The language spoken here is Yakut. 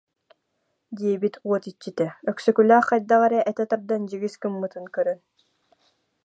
диэбит уот иччитэ, Өксөкүлээх хайдах эрэ этэ тардан дьигис гыммытын көрөн